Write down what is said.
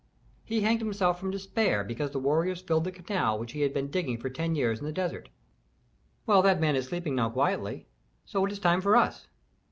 "He hanged himself from despair because the warriors filled the canal which he had been digging for ten years in the desert." "Well, that man is sleeping now quietly. So it is time for us."